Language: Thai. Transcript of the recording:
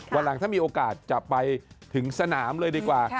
วันหลังถ้ามีโอกาสจะไปถึงสนามเลยดีกว่า